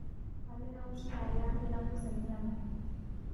Alde nagusia hareharri landuz egina du.